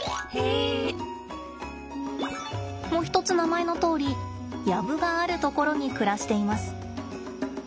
もひとつ名前のとおり藪がある所に暮らしています。